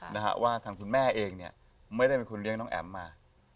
นะฮะว่าทางคุณแม่เองเนี่ยไม่ได้เป็นคนเลี้ยงน้องแอ๋มมา